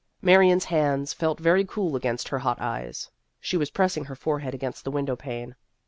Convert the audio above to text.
Marion's hands felt very cool against her hot eyes. She was pressing her forehead against the window pane.